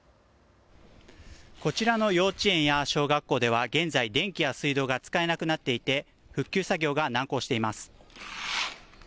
こちらの幼稚園や小学校では現在、電気や水道が使えなくなっていて復旧作業が難航しています。